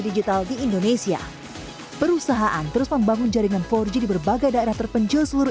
digital di indonesia perusahaan terus membangun jaringan empat g di berbagai daerah terpencil seluruh